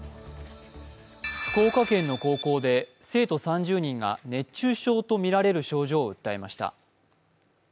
福岡県の高校で生徒３０人が熱中症とみられる症状を訴えました。